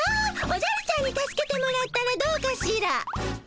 おじゃるちゃんに助けてもらったらどうかしら？